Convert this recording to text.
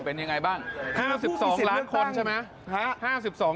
ผู้มีสิทธิ์เลือกตั้ง๕๒ล้านคนใช่ไหม